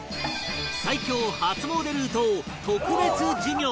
最強初詣ルートを特別授業！